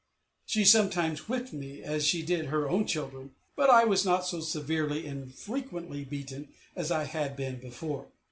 She sometimes whipped me, as she did her own children: but I was not so severely and frequently beaten as I had been before.